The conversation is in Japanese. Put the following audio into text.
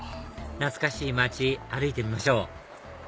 懐かしい街歩いてみましょう